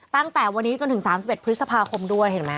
ตั้งแต่วันนี้จนถึง๓๑พฤษภาคมด้วยเห็นไหม